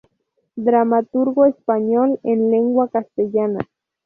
Dramaturgo español en lengua castellana.